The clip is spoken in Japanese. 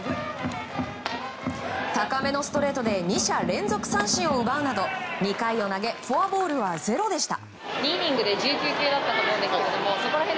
高めのストレートで２者連続三振を奪うなど２回を投げフォアボールはゼロでした。